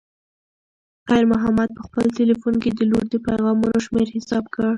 خیر محمد په خپل تلیفون کې د لور د پیغامونو شمېر حساب کړ.